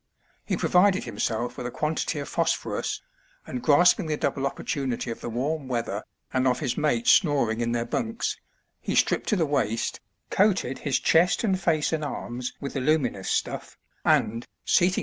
He provided himself with a quantity of phosphorus, and, grasping the double oppor tunity of the warm weather and of his mates snoring in their bunks, he stripped to the waist, coated his chest and face and arms with the luminous stuff, and, seating 290 A LUMINOUS SAILOR.